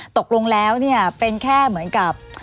ตกลงแล้วเนี่ยเป็นแค่เหมือนกับ